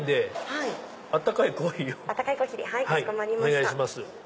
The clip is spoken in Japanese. お願いします。